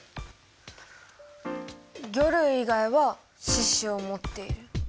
魚類以外は四肢をもっている。